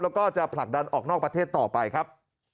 แล้วก็จะผลักดันออกนอกประเทศต่อไปครับ